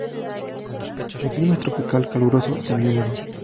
El clima es tropical caluroso semi húmedo.